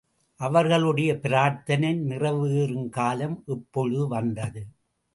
அவர்களுடைய பிரார்த்தனை நிறைவேறும் காலம் இப்பொழுது வந்தது.